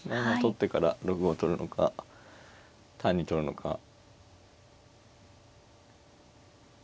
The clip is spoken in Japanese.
７七取ってから６五取るのか単に取るのか。